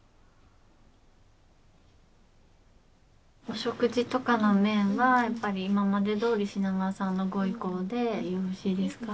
お食事とかの面はやっぱり今までどおり品川さんのご意向でよろしいですか？